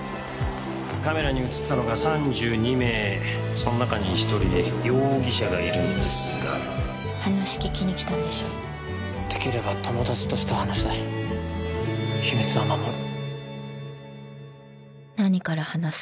カメラに写ったのが３２名その中に一人容疑者がいるんですが話聞きに来たんでしょできれば友達として話したい秘密は守る何から話す？